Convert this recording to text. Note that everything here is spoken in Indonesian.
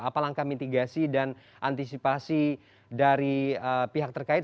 apa langkah mitigasi dan antisipasi dari pihak terkait